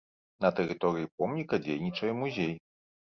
На тэрыторыі помніка дзейнічае музей.